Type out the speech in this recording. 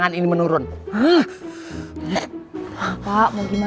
kau ini selalu kayak kita